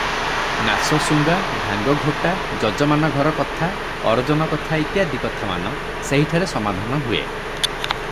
ନାସସୁଙ୍ଗା, ଭାଙ୍ଗ ଘୋଟା, ଯଜମାନ ଘର କଥା, ଅରଜନ କଥା ଇତ୍ୟାଦି କଥାମାନ ସେହିଠାରେ ସମାଧାନ ହୁଏ ।